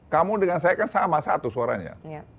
kamu dengan saya kan sama satu suaranya